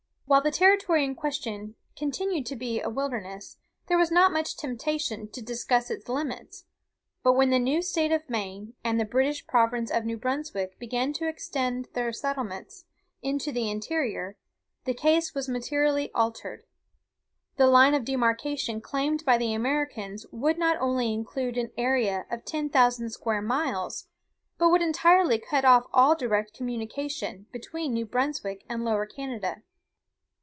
While the territory in question continued to be a wilderness, there was not much temptation to discuss its limits; but when the new state of Maine, and the British province of New Brunswick, began to extend their settlements into the interior, the case was materially altered. The line of demarcation claimed by the Americans would not only include an area of ten thousand square miles, but would entirely cut off all direct communication between New Brunswick and Lower Canada.